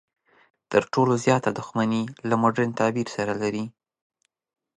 تر ټولو زیاته دښمني له مډرن تعبیر سره لري.